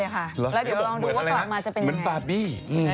เหมือนบาร์บี้